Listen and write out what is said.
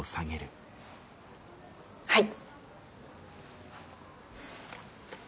はい。